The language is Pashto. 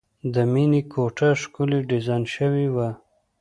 د مینې کوټه ښکلې ډیزاین شوې وه